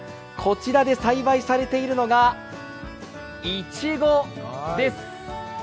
こちらで栽培されているのが、いちごです！